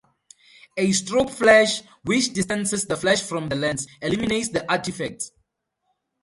A strobe flash, which distances the flash from the lens, eliminates the artifacts.